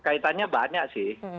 kaitannya banyak sih